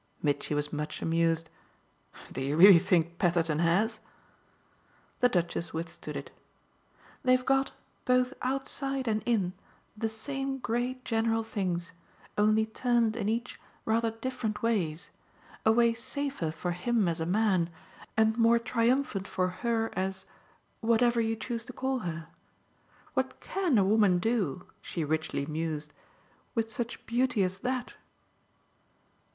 Mitchy was much amused. "Do you really think Petherton has?" The Duchess withstood it. "They've got, both outside and in, the same great general things, only turned, in each, rather different ways, a way safer for him as a man, and more triumphant for her as whatever you choose to call her! What CAN a woman do," she richly mused, "with such beauty as that